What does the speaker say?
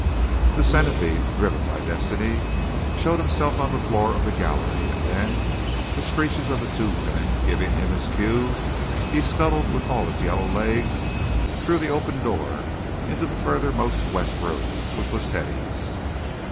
The centipede, driven by destiny, showed himself on the floor of the gallery, and then, the screeches of the two women giving him his cue, he scuttled with all his yellow legs through the open door into the furthermost west room, which was Teddy's.